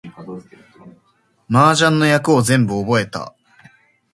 麻雀の役を全部覚えた